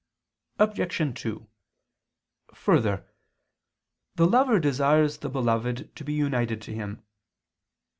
Obj. 2: Further, the lover desires the beloved to be united to him.